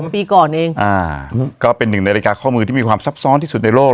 ปีก่อนเองก็เป็นหนึ่งในรายการข้อมือที่มีความซับซ้อนที่สุดในโลก